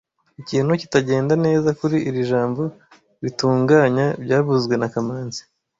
Ikintu kitagenda neza kuri iri jambo ritunganya byavuzwe na kamanzi